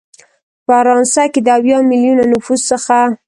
فرانسه کې د اویا ملیونه نفوس څخه